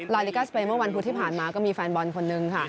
ลิกาสเปนเมื่อวันพุธที่ผ่านมาก็มีแฟนบอลคนนึงค่ะ